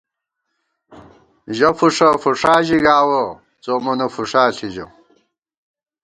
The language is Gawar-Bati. ژَہ فُݭہ فُݭا ژِی گاوَہ ، څو مونہ فُݭا ݪی ژَہ